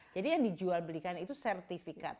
jadi yang dijual belikan itu sertifikat